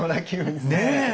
ねえ！